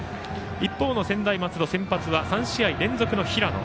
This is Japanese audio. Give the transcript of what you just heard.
一方の専大松戸先発は３試合連続の平野。